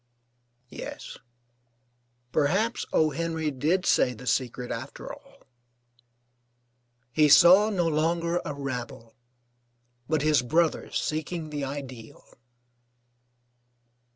Yes, perhaps O. Henry did say the secret after all: "He saw no longer a rabble, but his brothers seeking the ideal."